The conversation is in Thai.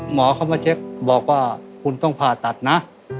หมอเขามาเช็คบอกว่าคุณต้องผ่าตัดนะ